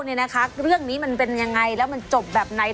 เนี่ยนะคะเรื่องนี้มันเป็นยังไงแล้วมันจบแบบไหน